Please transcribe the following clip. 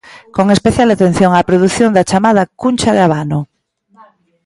Con especial atención á produción da chamada cuncha de abano.